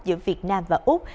giữa việt nam và úc